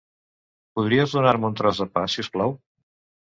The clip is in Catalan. Podries donar-me un tros de pa, si us plau?